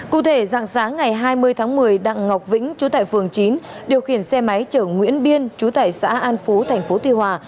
cụ thể dạng sáng ngày hai mươi tháng một mươi đặng ngọc vĩnh chú tại phường chín điều khiển xe máy chở nguyễn biên chú tải xã an phú thành phố tuy hòa